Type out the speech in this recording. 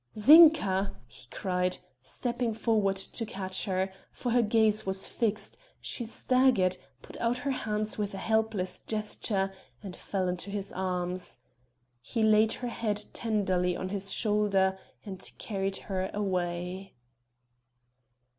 "Zinka!" he cried, stepping forward to catch her; for her gaze was fixed, she staggered, put out her hands with a helpless gesture and fell into his arms. He laid her head tenderly on his shoulder and carried her away.